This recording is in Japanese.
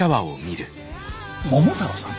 桃太郎さん？